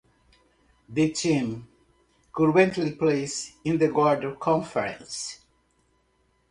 The team currently plays in the Gordon Conference.